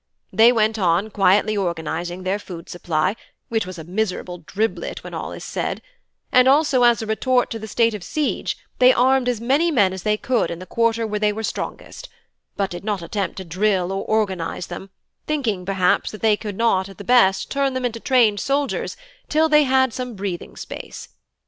They went on quietly organising their food supply, which was a miserable driblet when all is said; and also as a retort to the state of siege, they armed as many men as they could in the quarter where they were strongest, but did not attempt to drill or organise them, thinking, perhaps, that they could not at the best turn them into trained soldiers till they had some breathing space.